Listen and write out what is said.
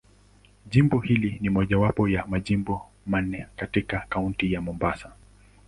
Jimbo hili ni mojawapo ya Majimbo manne katika Kaunti ya Mombasa.